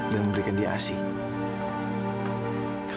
dan memberikan dia asik